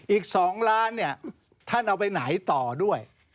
อีก๒ล้านเนี่ยท่านเอาไปไหนต่อด้วย